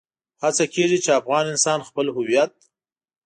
هڅه کېږي چې افغان انسان خپل هويت.